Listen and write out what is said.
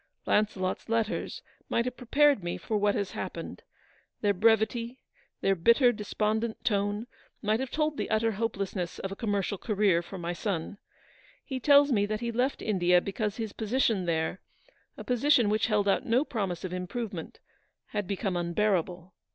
Launcelot's letters might have prepared me for what has happened. Their brevity, their bitter, despondent tone, might have told the utter hopelessness of a commercial career for my son. He tells me that he left India because his position there — a position which held out no promise of improvement — had become unbearable.